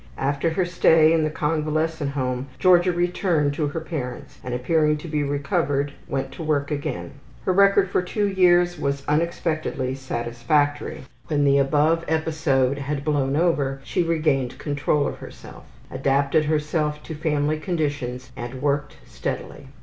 After her stay in the convalescent home Georgia returned to her parents, and, appearing to be recovered, went to work again. Her record for two years was unexpectedly satisfactory. When the above episode had blown over she regained control of herself, adapted herself to family conditions, and worked steadily.